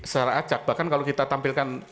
secara acak bahkan kalau kita tampilkan